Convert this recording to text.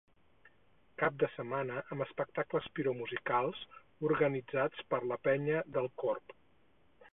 Cap de setmana amb espectacles piromusicals, organitzats per la Penya del Corb.